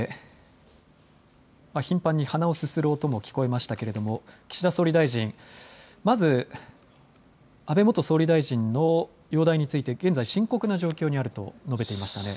頻繁に鼻をすする音も聞こえましたけれども岸田総理大臣、まず安倍元総理大臣の容体について現在、深刻な状況にあると述べていましたね。